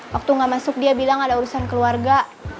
waktu gak masuk dia bilang ada urusan keluarga